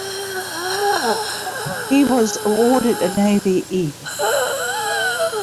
He was awarded a Navy "E".